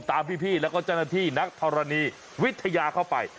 ตามพี่แล้วก็เจ้าหน้าที่นักธรณีวิทยาเข้าไป